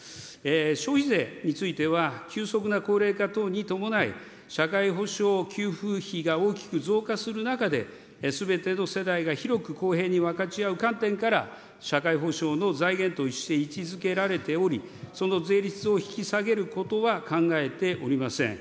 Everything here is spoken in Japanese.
消費税については、急速な高齢化等に伴い、社会保障給付費が大きく増加する中で、すべての世代が広く公平に分かち合う観点から、社会保障の財源として位置づけられており、その税率を引き下げることは考えておりません。